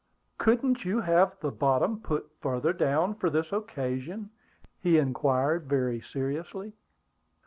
"Couldn't you have the bottom put farther down for this occasion?" he inquired very seriously.